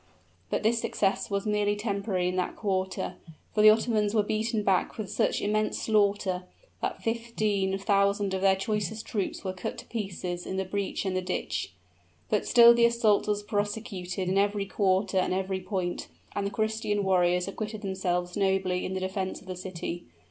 But this success was merely temporary in that quarter; for the Ottomans were beaten back with such immense slaughter, that fifteen thousand of their choicest troops were cut to pieces in the breach and the ditch. But still the assault was prosecuted in every quarter and every point, and the Christian warriors acquitted themselves nobly in the defense of the city.